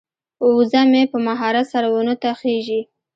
وزه مې په مهارت سره ونو ته خیژي.